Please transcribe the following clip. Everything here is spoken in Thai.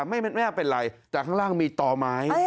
ไม่เป็นไรแต่ข้างล่างมีต่อไม้